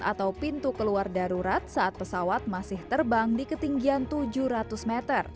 atau pintu keluar darurat saat pesawat masih terbang di ketinggian tujuh ratus meter